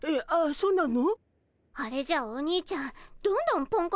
そうなの？